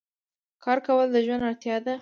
کار کول د ژوند اړتیا ده.